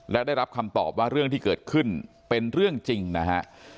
และได้รับคำตอบว่าเรื่องที่เกิดขึ้นเป็นเรื่องจริงนะฮะ